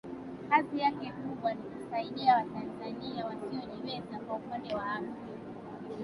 kazi yake kubwa ni kusaidia watanzania wasiojiweza kwa upande wa afya